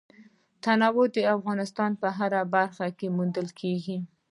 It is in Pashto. تنوع د افغانستان په هره برخه کې موندل کېږي.